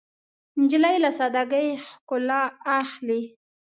نجلۍ له سادګۍ ښکلا اخلي.